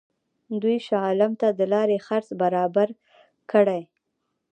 دوی شاه عالم ته د لارې خرڅ برابر کړي.